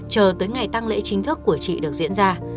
chờ tới ngày tăng lễ chính thức của chị được diễn ra